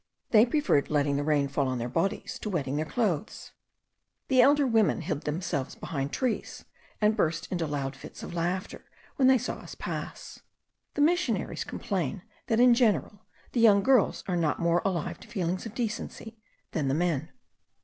They preferred letting the rain fall on their bodies to wetting their clothes. The elder women hid themselves behind trees, and burst into loud fits of laughter when they saw us pass. The missionaries complain that in general the young girls are not more alive to feelings of decency than the men.